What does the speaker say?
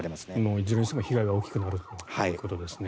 いずれにしても被害が大きくなるということですね。